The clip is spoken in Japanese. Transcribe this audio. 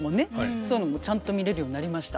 そういうのもちゃんと見れるようになりました。